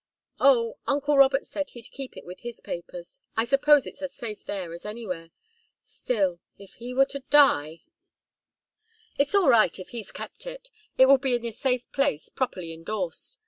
"Oh, uncle Robert said he'd keep it with his papers. I suppose it's as safe there as anywhere. Still if he were to die " "It's all right, if he's kept it. It will be in a safe place, properly endorsed.